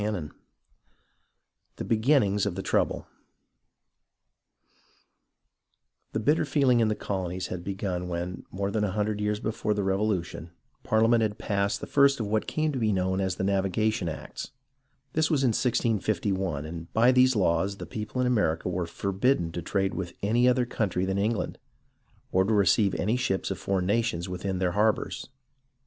CHAPTER II THE BEGINNINGS OF THE TROUBLE The bitter feeling in the colonies had begun when, more than a hundred years before the Revolution, Parliament had passed the first of what came to be known as the Navigation Acts, This was in 165 1, and by these laws the people in America were forbidden to trade with any other country than England, or to receive any ships of foreign nations within their harbours.